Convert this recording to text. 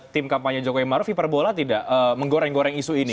tim kampanye jokowi maruf hiperbola tidak menggoreng goreng isu ini